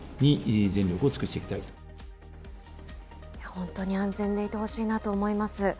本当に安全でいてほしいなと思います。